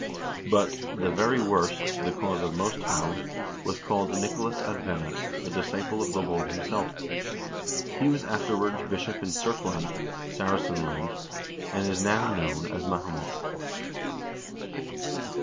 But " the very worst, the cause of most harm, was called Nicolas Advena, a disciple of the Lord himself. He was afterwards bishop in Serkland (Saracenland), and is now known as Mahomet."